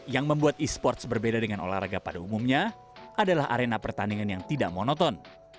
yang membuat e sports berbeda dengan olahraga pada umumnya adalah arena pertandingan yang tidak monoton